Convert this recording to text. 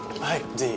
ぜひ。